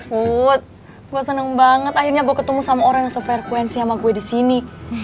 wuh gue seneng banget akhirnya gue ketemu sama orang yang sefrekuensi sama gue disini